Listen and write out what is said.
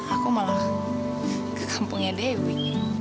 aku malah ke kampungnya dewi